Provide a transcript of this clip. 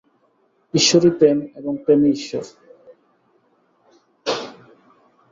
ঈশ্বরই প্রেম এবং প্রেমই ঈশ্বর।